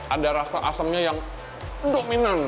ada rasa asamnya yang dominan